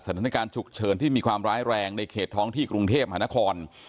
สถานการณ์ฉุกเฉินที่มีความร้ายแรงในเขตท้องที่กรุงเทพมหานคร